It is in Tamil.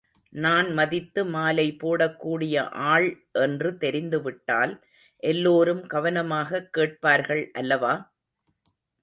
நான் மதித்து மாலை போடக்கூடிய ஆள் என்று தெரிந்து விட்டால் எல்லோரும் கவனமாகக் கேட்பார்கள் அல்லவா?